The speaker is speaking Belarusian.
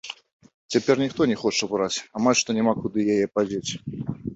Цяпер ніхто не хоча браць, амаль што няма куды яе падзець.